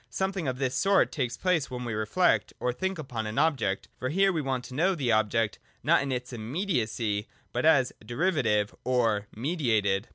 — Something of this sort takes place when we reflect, or think upon an object ; for here we want to know the object, not in its immediacy, but as derivative or mediated.